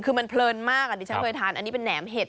คือมันเพลินมากอันนี้เป็นแหนมเห็ด